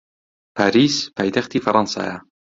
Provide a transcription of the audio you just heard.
پاریس پایتەختی فەڕەنسایە.